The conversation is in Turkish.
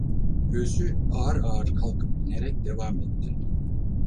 Göğsü ağır ağır kalkıp inerek devam etti.